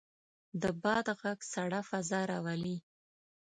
د باد غږ سړه فضا راولي.